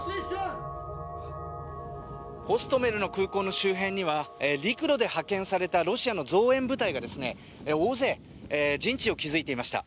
ホストメルの空港の周辺には陸路で派遣されたロシアの増援部隊が大勢、陣地を築いていました。